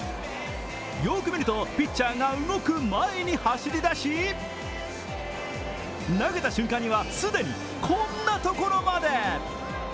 よーく見ると、ピッチャーが動く前に走り出し、投げた瞬間には、既にこんなところまで。